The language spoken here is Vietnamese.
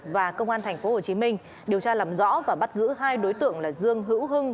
và công an tp hcm điều tra làm rõ và bắt giữ hai đối tượng là dương hữu hưng